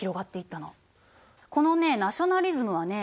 このねナショナリズムはね